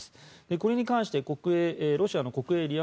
これに関してロシアの国営ＲＩＡ